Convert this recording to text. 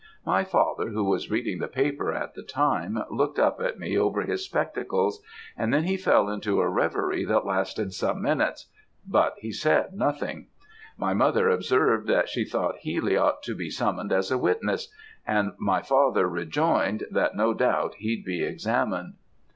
"My father who was reading the paper at the time, looked up at me over his spectacles; and then fell into a reverie that lasted some minutes, but he said nothing; my mother observed that she thought Healy ought to be summoned as a witness; and my father rejoined, that no doubt he'd be examined.